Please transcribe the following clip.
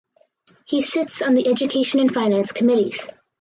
He sits on the Education and Finance committees.